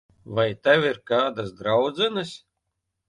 Vai tev ir kādas draudzenes?